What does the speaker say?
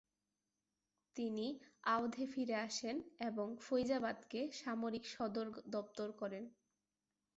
তিনি আওধে ফিরে আসেন এবং ফৈজাবাদকে সামরিক সদরদপ্তর করেন।